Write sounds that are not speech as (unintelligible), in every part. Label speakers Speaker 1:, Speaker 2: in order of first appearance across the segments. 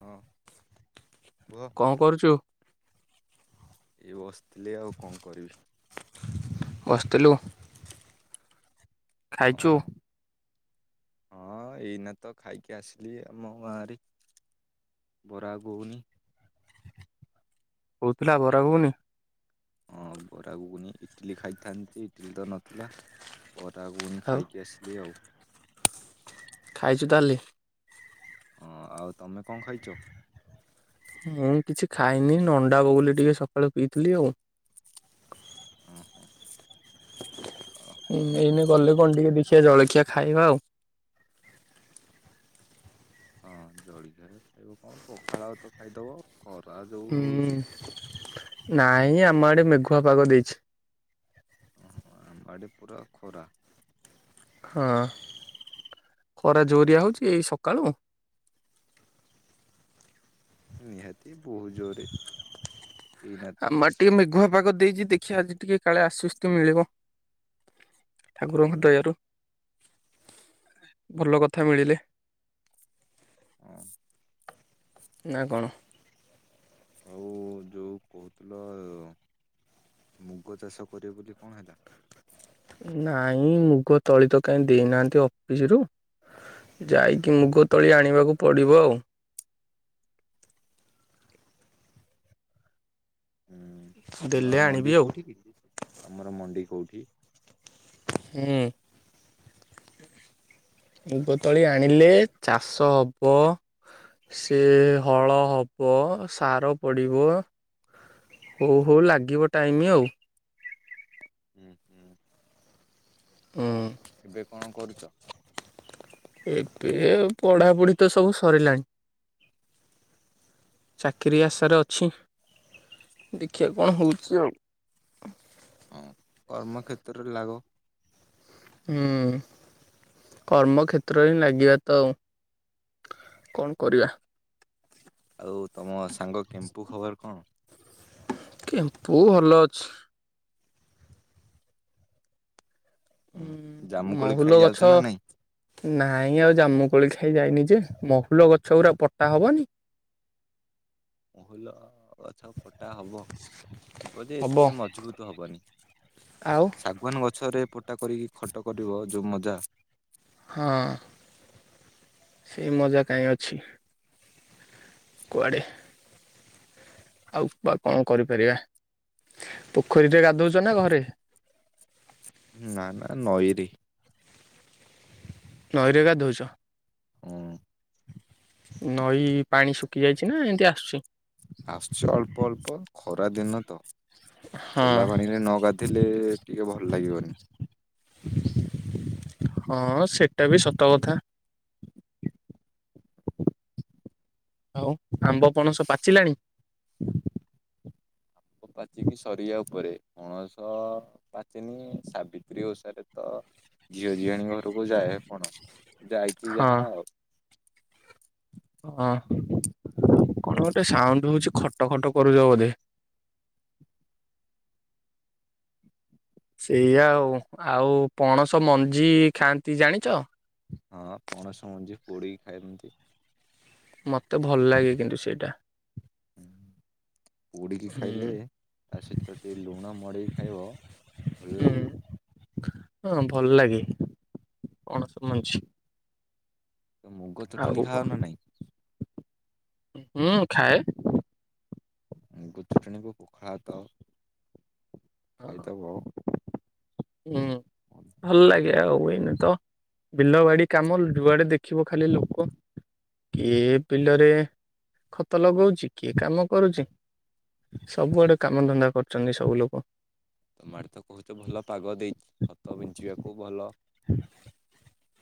Speaker 1: ହଁ। କୁହ
Speaker 2: କ କରୁଛୁ?
Speaker 1: ଏଇ ବସିଥିଲି ଆଉ କଣ କରିବି?
Speaker 2: ବସିଥିଲୁ? ଖାଇଚୂ?
Speaker 1: ହଁ ହଁ ଏଇନା ତ ଖାଇକି ଆସିଲି ଆମ ଗାଁରେ। ବରା ଘୁଗୁନି।
Speaker 2: ହଉଥିଲା ବରା ଘୁଗୁନି?
Speaker 1: ହଁ ବରାଘୁଗୁନି ଇଟିଲି ଖାଇଥା ସେ ଇଟିଲ ତ ନଥିଲା ବରା ଘୁଗୁନି
Speaker 2: ଆଉ
Speaker 1: ଖାଇକି ଆସିଲି ଆଉ।
Speaker 2: ଖାଇଛୁ ତାହେଲେ?
Speaker 1: ହଁ ଆଉ ତମେ କ ଖାଇଛ?
Speaker 2: ମୁଁ କିଛି ଖାଇନି ନଣ୍ଡା ବଗୁଲି ଟିକେ ସକାଳୁ ପିଇଥିଲି ଆଉ।
Speaker 1: ଓହୋ (unintelligible)
Speaker 2: ଏଇନେ ଗଲେ କଣ ଟିକେ ଦେଖିବା ଜଳଖିଆ ଖାଇବା ଆଉ।
Speaker 1: ହଁ ଜଳିଖୀଆ ଖାଇବ କଣ ପଖାଳଉ ତ ଖାଇଦବ ଆଉ। ଖରା ଯୋଉ
Speaker 2: ହୁଁ
Speaker 1: ହଉଛି
Speaker 2: ହୁଁ ନାଇ ଆମ ଆଡେ ମେଘୁଆ ପାଗ ଦେଇଛି।
Speaker 1: ଆମ ଆଡେ ପୁରା ଖରା।
Speaker 2: ହଁ ଖରା ଜୋରିଆ ହଉଛି ଏଇ ସକାଳୁ?
Speaker 1: ନିହାତି ବହୁ ଜୋରେ। ଏଇନା ତ
Speaker 2: ଆମ ଆଡେ ଟିକେ ମେଘୁଆ ପାଗ ଦେଇଛି ଦେଖିବା ଆଜି ଟିକେ କାଳେ ଆଶ୍ୱସ୍ତି ମିଳିବ? ଠାକୁରଙ୍କ
Speaker 1: ହୁଁ
Speaker 2: ଦୟାରୁ। ଭଲ କଥା ମିଳିଲେ।
Speaker 1: ହଁ।
Speaker 2: ନା କଣ?
Speaker 1: ଆଉ ଯୋଉ କହୁଥିଲ ମୁଗ ଚାଷ କରିବ ବୋଲି କଣ ହେଲା?
Speaker 2: ନାଇଁ ମୁଗ ତଳି ତ କାଇ ଦେଇନାହାନ୍ତି ଅଫିସିରୁୁ? ଯାଇକି ମୁଗ ତଳି ଆଣିବାକୁ ପଡ଼ିବ ଆଉ।
Speaker 1: ହୁଁ
Speaker 2: ଦେଲେ
Speaker 1: ତମର
Speaker 2: ଆଣିବି
Speaker 1: ମଣ୍ଡି
Speaker 2: ଆଉ।
Speaker 1: କୋଉଠି କି ତମର ମଣ୍ଡି କୋଉଠି?
Speaker 2: ହୁଁ। ମୁଗତଳି ଆଣିଲେ ଚାଷ ହବ ସେ ହଳ ହବ ସାର ପଡ଼ିବ ହଉ ହଉ ଲାଗିବ ଟାଇମ ଆଉ।
Speaker 1: ହୁଁ ହୁଁ ଆଉ
Speaker 2: ହୁଁ
Speaker 1: ଏବେ କଣ କରୁଛ?
Speaker 2: ଏବେ ପଢାପଢି ତ ସବୁ ସରିଲାଣି। ଚାକିରି ଆଶାରେ ଅଛି। ଦେଖିଆ କଣ ହେଉଚି ଆଉ।
Speaker 1: ହଁ କର୍ମକ୍ଷତ୍ରରେ ଲାଗ।
Speaker 2: ହୁଁ, କର୍ମକ୍ଷତ୍ର ରେ ଲାଗିବା ତ ଆଉ। କଣ କରିବା।
Speaker 1: ଆଉ ତମ ସାଙ୍ଗ କେମ୍ପୁ ଖବର କଣ?
Speaker 2: କେମ୍ପୁ ଭଲ ଅଛି। ହୁଁ
Speaker 1: ଜାମୁକୋଳି ଖାଇ
Speaker 2: ମହୁଲ
Speaker 1: ଯାଉଛ
Speaker 2: ଗଛ
Speaker 1: ନା ନାଇଁ
Speaker 2: ନାଇଁ ଆଉ ଜାମୁକୋଳି ଖାଇ ଯାଇନି ଯେ, ମହୁଲ ଗଛ ଗୁରା ପଟା ହବନି?
Speaker 1: ମହୁଲ ଗଛ କଟା ହବ। ହବ ଯେ
Speaker 2: ହବ
Speaker 1: ଏତେ ମଜବୁତ ହବନି।
Speaker 2: ଆଉ।
Speaker 1: ଶାଗୁଆନ ଗଛରେ ପୋଟା କରିକି ଖଟ କରିବ ଯୋଉ ମଜା।
Speaker 2: ହଁ। ସେଇ ମଜା କାଇଁ ଅଛି। କୁଆଡେ। ଆଉ ବା କଣ କରିପାରିବା। ପୋଖରୀରେ ଗାଧଉଚନା ଘରେ?
Speaker 1: ନା ନା ନଇରେ।
Speaker 2: ନଈରେ ଗାଧୋଉଚ?
Speaker 1: ହଁ
Speaker 2: ନଈ ପାଣି ଶୁଖି ଯାଇଛି ନା ଏମିତି ଆସୁଚି।
Speaker 1: ଆସୁଚି ଅଳ୍ପ ଅଳ୍ପ ଖରା ଦିନ ତ।
Speaker 2: ହଁ
Speaker 1: ଚୋଲା ପାଣିରେ ନ ଗାଧିଲେ ଟିକେ ଭଲ ଲାଗିବନି।
Speaker 2: ହଁ ସେଟା ବି ସତ କଥା। ହଉ, ଆମ୍ବ ପଣସ ପାଚିଲାଣି?
Speaker 1: ପାଚିକି ସରିିବା ଉପରେ ପଣସ ପାଚନି ସାବିତ୍ରୀ ଓଷାରେ ତ ଝିଅ ଝିଆଣି ଘରକୁ ଯାଏ ପଣସ। ଯାଇଚି
Speaker 2: ହଁ
Speaker 1: ଯାହା ଆଉ।
Speaker 2: ହଁ, କଣ ଗୋଟେ ସାଉଣ୍ଡ ହଉଛି ଖଟ ଖଟ କରୁଚ ବୋଧେ? ସେଇଆା ଆଉ ଆଉ ପଣସ ମଞ୍ଜି ଖାଆନ୍ତି ଜାଣିଚ?
Speaker 1: ହଁ ପଣସ ମଞ୍ଜି ପୋଡିକି ଖାଇନ୍ତି।
Speaker 2: ମତେ ଭଲ ଲାଗେ କିନ୍ତୁ ସେଇଟା।
Speaker 1: ହୁଁ ପୋଡିକି
Speaker 2: ହୁଁ
Speaker 1: ଖାଇଲେ ତା ସହିତ ଟିକେ ଲୁଣ ମଡେଇକି ଖାଇବ ଭଲ
Speaker 2: ହୁଁ
Speaker 1: ଲାଗିବ।
Speaker 2: ହଁ ଭଲ ଲାଗେ କଣ ସଛି।
Speaker 1: ତ ମୁଗ। ଚଟଣି
Speaker 2: ଆଉ,
Speaker 1: ଖାଅ ନା ନାଇଁ
Speaker 2: ହୁଁ ଖାଏ।
Speaker 1: ଚୁଟଣିକୁ ପୋଖାଳ ଭାତ ଖାଇଦବ।
Speaker 2: ହୁଁ, ଭଲ ଲାଗେ ଆଉ ଏଇନେ ତ - - ବିଲ ବାଡି କାମ ଯୁଆଡେ ଦେଖିବ ଖାଲି ଲୋକ। କିଏ ବିଲରେ ଖତ ଲଗଉଚି। କିଏ କାମ କରୁଚି। ସବୁଆଡେ କାମ ଧନ୍ଦା କରୁଚନ୍ତି ସବୁ ଲୋକ।
Speaker 1: ମାଟି ତ କହୁତ ଭଲ ପାଗ ଦେଇଚି ଖତ ବିଞ୍ଚିବାକୁ ଭଲ
Speaker 2: ହୁଁ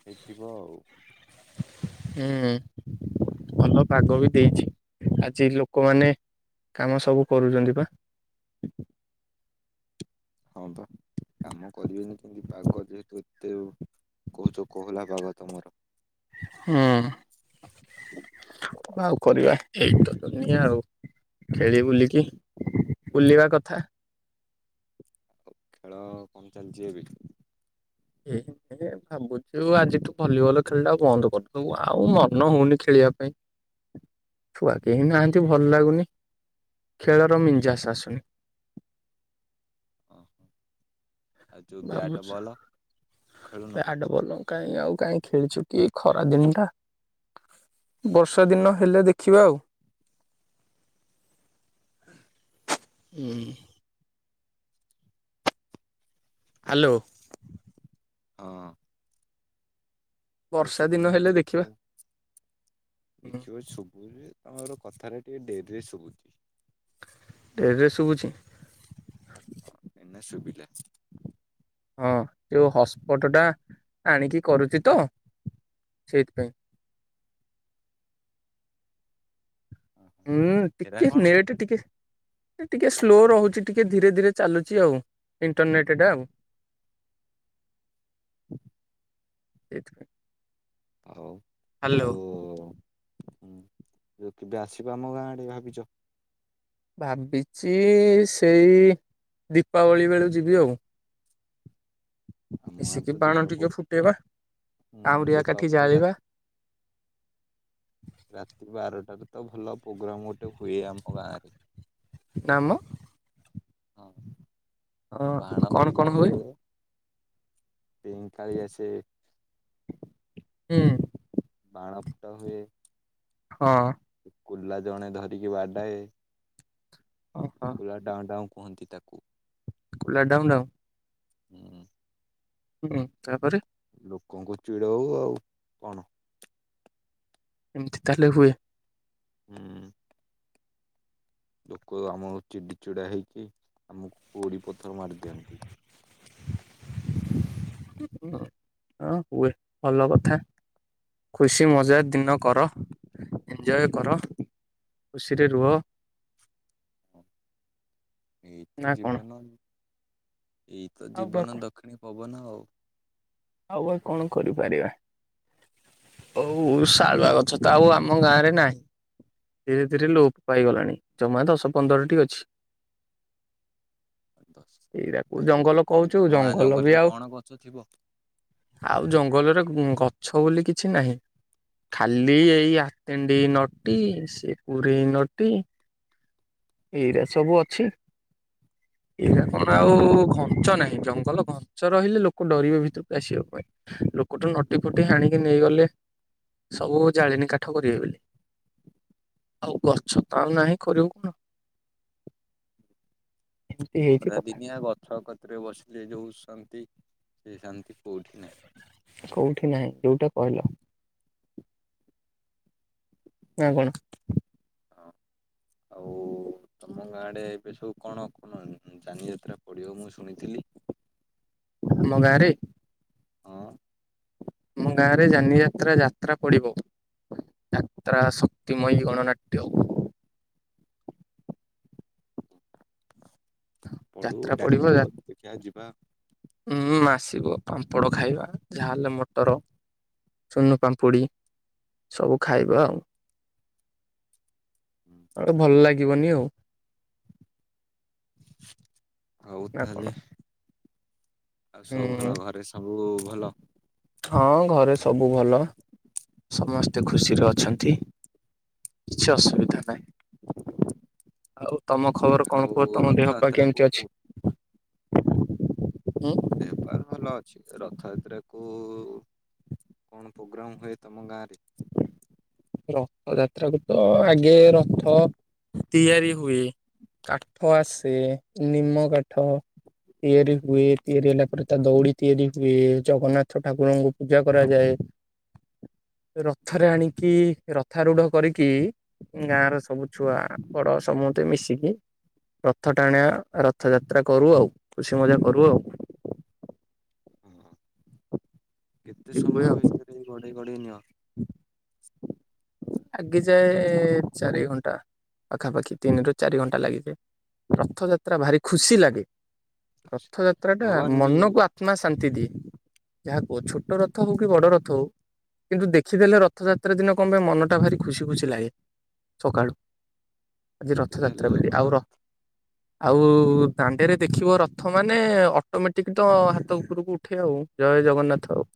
Speaker 1: ହେଇଥିିବ ଆଉ।
Speaker 2: ହୁଁ, ଭଲ ପାଗ ବି ଦେଇଚି ଆଜି ଲୋକମାନେ କାମ ସବୁ କରୁଚନ୍ତି ବା।
Speaker 1: ହଁ ବା କାମ କରିବେନି କେନ୍ତି, ପାଗ ଯେହେତୁ ଏତେ କହୁଚ କୋହଲା ପାଗ ତମର।
Speaker 2: ହୁଁ। ଆଉ କରିବା, ଏଇତ ଦୁନିଆ ଆଉ ଖେଳି ବୁଲିକି ବୁଲିବା କଥା।
Speaker 1: ଖେଳ କଣ ଚାଲ୍ଚି ଏବେ?
Speaker 2: (inaudible) ଭାବୁଚି ଆଜିଠୁ ଭଲିବଲ ଖେଳଟା ବନ୍ଦ କରିଦବୁ, ଆଉ ମନ ହଉନି ଖେଳିବା ପାଇଁ।
Speaker 1: (inaudible)
Speaker 2: ଛୁଆ କେହି ନାହାନ୍ତି ଭଲ୍ ଲାଗୁନି ଖେଳର ମିଞ୍ଜାସ୍ ଆସୁନି।
Speaker 1: ଓହୋ, ଆଉ ଯୋଉ ବ୍ୟାଟ୍
Speaker 2: ଭାବୁଛୁ
Speaker 1: ବଲ ଖେଳୁନ?
Speaker 2: (unintelligible) କାଇଁ ଆଉ କାଇଁ ଖେଳିଚୁ କି ଏଇ ଖରା ଦିନଟା। ବର୍ଷା ଦିନ ହେଲେ ଦେଖିବା ଆଉ। ହୁଁ। ହାଲୋ।
Speaker 1: ହଁ।
Speaker 2: ବର୍ଷା ଦିନ ହେଲେ ଦେଖିବା।
Speaker 1: ଦେଖିବ ଶୁବୁଚି, ତମର କଥଟା ଟିକେ ଡେରିରେ ଶୁବୁଚି।
Speaker 2: ଡେରିରେ ଶୁଭୁଚି?
Speaker 1: ହଁ, ଏଇନା ଶୁବିଲା।
Speaker 2: ହଁ ଯୋଉ ହଟସ୍ପଟ ଟା ଆଣିକି କରୁଚି ତ ସେଇଥିପାଇଁ। ଉଁ
Speaker 1: ହେରା
Speaker 2: ଟିକେ
Speaker 1: କଣ
Speaker 2: ନେଟେ ଟିକେ ଏ ଟିକେ ସ୍ଲୋ ରହୁଚି ଟିକେ ଧୀରେ-ଧୀରେ ଚାଲୁଚି ଆଉ, ଇଣ୍ଟରନେଟ୍ ଟା ଆଉ।
Speaker 1: (inaudible)
Speaker 2: (unintelligible) ହ୍ୟାଲୋ।
Speaker 1: ଆଉ-ଆଉ ଉଁ କେବେ ଆସିବ ଆମ ଗାଁ ଆଡେ ଭାବିଚ?
Speaker 2: ଭାବିଚି ସେଇ ଦୀପାବଳି ବେଳୁ ଯିବି ଆଉ।
Speaker 1: ଆମ ଗାଁରେ
Speaker 2: ମିଶିକି
Speaker 1: ତ
Speaker 2: ବାଣ ଟିକେ
Speaker 1: ଦୀପାବଳି
Speaker 2: ଫୁଟେଇବା,
Speaker 1: ହୁଁ
Speaker 2: କାଉଁରିଆ କାଠି
Speaker 1: ଦୀପାବଳି
Speaker 2: ଜାଳିବା।
Speaker 1: ରାତି ରାତି ବାରଟାରେ ତ ଭଲ ପ୍ରୋଗ୍ରାମ ଗୋଟେ ହୁଏ ଆମ ଗାଁରେ।
Speaker 2: ନା ମ।
Speaker 1: ହଁ,
Speaker 2: ହଁ
Speaker 1: ବାଣ
Speaker 2: କଣ କଣ
Speaker 1: ଫୁଟା ହୁଏ ପେନ୍କାଳୀ ଆସେ।
Speaker 2: ହୁଁ।
Speaker 1: ବାଣ ଫୁଟା ହୁଏ।
Speaker 2: ହଁ।
Speaker 1: କୁଲା ଜଣେ ଧରିକି ବାଡାଏ।
Speaker 2: ଓହୋ
Speaker 1: କୁଲା ଡାଁଉଁ-ଡାଁଉଁ କୁହନ୍ତି ତାକୁ।
Speaker 2: କୁଲା ଢ଼ାଉଁ-ଢ଼ାଉଁ?
Speaker 1: ହୁଁ।
Speaker 2: ହୁଁ, ତାପରେ
Speaker 1: ଲୋକଙ୍କୁ ଚିଡଉ ଆଉ କଣ।
Speaker 2: ଏମ୍ତି ତାହେଲେ ହୁଏ।
Speaker 1: ହୁଁ। ଲୋକ ଆମ ଚିଡି ଚିଡା ହେଇକି ଆମକୁ ଗୋଡି ପଥର ମାରିଦିଅନ୍ତି।
Speaker 2: (inaudible) ହୁଏ ଭଲ କଥା। ଖୁସି ମଜା ଦିନ କର। ଏଞ୍ଜୟ କର ଖୁସିରେ ରୁହ।
Speaker 1: ଏଇ
Speaker 2: ନା
Speaker 1: ତ
Speaker 2: କଣ
Speaker 1: ଜୀବନ ଏଇତ
Speaker 2: ଆଉ ବା
Speaker 1: ଜୀବନ
Speaker 2: କଣ
Speaker 1: ଦ ହାଲି ପବନ ଆଉ।
Speaker 2: ଆଉ ଭାଇ କଣ କରିପାରିବା। ହଉ ଶାଳୁଆ ଗଛ ତ ଆଉ ଆମ ଗାଁ ରେ ନାହିଁ। ଧୀରେ ଧୀରେ ଲୋପ ପାଇଗଲାଣି ଜମା ଦଶ ପନ୍ଦରଟି ଅଛି।
Speaker 1: (inaudible) ଦଶ କ
Speaker 2: ସେଇଟାକୁ
Speaker 1: ତାହେଲେ ଏବେ
Speaker 2: ଜଙ୍ଗଲ
Speaker 1: କଣ
Speaker 2: କହୁଛୁ
Speaker 1: ତମ ଗାଁ
Speaker 2: ଜଙ୍ଗଲ ବି
Speaker 1: ଜଙ୍ଗଲରେ
Speaker 2: ଆଉ
Speaker 1: କଣ ଗଛ ଥିବ?
Speaker 2: ଆଉ ଜଙ୍ଗଲରେ ଗଛ ବୋଲି କିଛି ନାହିଁ। ଖାଲି ଏଇ ଆଟେଣ୍ଡି ନଟି ସିପୁରେଇ ନଟି। ଏରା ସବୁ ଅଛି। ଏଇରା କଣ ଆଉ ଘଞ୍ଚ ନାହିଁ ଜଙ୍ଗଲ ଘଞ୍ଚ ରହିଲେ ଲୋକ। ଲୋକ ଡରିବେ ଭିତରକୁ ଆସିବା ପାଇଁ ଲୋକଠୁ ନଟି ଫଟି ହାଣିକି ନେଇଗଲେ। ସବୁ ଜାଳେଣି କାଠ କରିବେ ବୋଲି। ଆଉ ଗଛ ତ ଆଉ ନାହିଁ କରିବ କଣ। ଏମିତି ହେଇଛି
Speaker 1: ଖରା
Speaker 2: କଥା
Speaker 1: ଦିନିଆ ଗଛ କତିରେ ବସିଲେ ଯୋଉ ଶାନ୍ତି ସେ ଶାନ୍ତି କୋଉଠି ନାହିଁ।
Speaker 2: କୋଉଠି ନାହିଁ ଯୋଉଟା କହିଲ। ନାଁ କଣ।
Speaker 1: ହଁ। ଆଉ ତମ ଗାଁ ଆଡେ ଏବେ ସବୁ କଣ କଣ ଯାନିଯାତ୍ରା ପଡ଼ିବ ମୁଁ ଶୁଣିଥିଲି।
Speaker 2: ଆମ ଗାଁରେ।
Speaker 1: ହଁ।
Speaker 2: ଆମ ଗାଁରେ ଯାନିଯାତ୍ରା ଯାତ୍ରା ପଡ଼ିବ। ଯାତ୍ରା ଶକ୍ତିମୟୀ ଗଣନାଟ୍ୟ।
Speaker 1: ପଢୁ
Speaker 2: ଯାତ୍ରା
Speaker 1: ଡାକିବ ଦେଖିବା ଯିବା।
Speaker 2: ଉୁଁ ଆସିବ ପାମ୍ପଡ଼ ଖାଇବା ଝାଲ୍ ମଟର। ସୁନୁ ପାମ୍ପୁଡ଼ି ସବୁ ଖାଇବା ଆଉ। ନ ହେଲେ ଭଲ ଲାଗିବନି ଆଉ।
Speaker 1: ଆଉ
Speaker 2: ନା କଣ
Speaker 1: ତାହେଲେ ଆଉ ସବୁ
Speaker 2: ହୁଁ
Speaker 1: ଭଲ ଘରେ ସବୁ। ସବୁ ଭଲ।
Speaker 2: ହଁ ଘରେ ସବୁ ଭଲ ସମସ୍ତେ ଖୁସିରେ ଅଛନ୍ତି। କିଛି ଅସୁବି। ଅସୁବିଧା ନାହିଁ ଆଉ ତମ ଖବର କଣ
Speaker 1: ଆଉ
Speaker 2: କୁହ ତମ ଦେହ ପା
Speaker 1: ରଥଯାତ୍ରାକୁ
Speaker 2: କେମିତି ଅଛି। ଉଁ।
Speaker 1: ଦେହ ପା ଭଲ ଅଛି ରଥଯାତ୍ରା କୁ କଣ ପ୍ରୋଗ୍ରାମ ହୁଏ ତମ ଗାଁ ରେ?
Speaker 2: ରଥ ଯାତ୍ରାକୁ ତ ଆଗେ ରଥ ତିଆରି ହୁଏ କାଠ ଆସେ ନିମ କା ଠ ତିଆରି ହୁଏ ତିଆରି ହେଲା ପରେ ତା ଦଉଡ଼ି ତିଆରି ହୁଏ ଜଗନ୍ନାଥ ଠାକୁରଙ୍କୁ ପୂଜା କରାଯାଏ ରଥରେ ଆଣି କି ରଥାରୂଢ କରିକି ଗାଁ ର ସବୁ ଛୁଆ ବଡ ସମସ୍ତେ ମିଶିକି ରଥ ଟାଣିଆ ରଥଯାତ୍ରା କରୁ ଆଉ ଖୁସି ମଜା କରୁ ଆଉ।
Speaker 1: ହଁ
Speaker 2: ଏମିତି
Speaker 1: କେତେ
Speaker 2: ହୁଏ ଆଉ।
Speaker 1: ସମୟ ଭିତରେ ଏଇ ଗଡେଇ ଗଡେଇ ନିଅ?
Speaker 2: (inaudible) ଆଜି ଯାଏ ଚାରି ଘଣ୍ଟା ପାଖାପାଖି ତିନିରୁ ଚାରି ଘଣ୍ଟା ଲାଗିଯାଏ। ରଥଯାତ୍ରା ଭାରି ଖୁସି ଲାଗେ
Speaker 1: ଖୁସି
Speaker 2: ରଥଯାତ୍ରା ଟା
Speaker 1: ଭଗବାନ ବି
Speaker 2: ମନକୁ ଆ ଆତ୍ମା ଶାନ୍ତି ଦିଏ। ଯାହା କୁହ ଛୋଟ ରଥ ହଉ କି ବଡ ରଥ ହଉ କିନ୍ତୁ ଦେଖିଦେଲେ ରଥଯାତ୍ରା ଦିନ କଣ ପାଇଁ ମନଟା ଭାରି ଖୁସି ଖୁସି ଲାଗେ ସକାଳୁ। ଆଜି
Speaker 1: ଯେତେ ଯାହା ହେଲେ
Speaker 2: ରଥଯାତ୍ରା ବୋଲି ଆଉ
Speaker 1: ଜଗନ୍ନାଥ
Speaker 2: ର ଆଉ ଦାଣ୍ଡେରେ ଦେଖିବ ରଥ ମାନେ ଅଟୋମେଟିକ ତ ହାତ ଉପରକୁ ଉଠେ ଆଉ। ଜୟ ଜଗନ୍ନାଥ ଆଉ।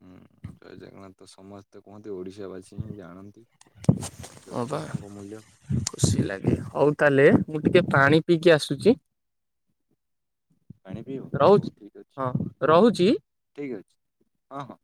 Speaker 1: ହୁଁ ଜୟ ଜଗନ୍ନାଥ ତ ସମସ୍ତେ କୁହନ୍ତି ଓଡିଶାବାସୀ ହିଁ ଜାଣନ୍ତି।
Speaker 2: ହଁ ବା
Speaker 1: ଜଗନ୍ନାଥଙ୍କ ମୂଲ୍ୟ
Speaker 2: ଖୁସି ଲାଗେ ହଉ ତାହେଲେ ମୁଁ ଟିକେ ପାଣି ପିଇକି ଆସୁଛି।
Speaker 1: ପାଣି ପିଇବ ହଉ
Speaker 2: ରହୁଛି।
Speaker 1: ଠିକ ଅଛି
Speaker 2: ହଁ
Speaker 1: ହଉ
Speaker 2: ରହୁଛି।
Speaker 1: ଠିକ ଅଛି ହଁ ହଁ।